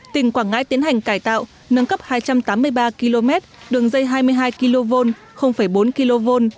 tỉnh quảng ngãi tiến hành cải tạo nâng cấp hai trăm tám mươi ba km đường dây hai mươi hai kv bốn kv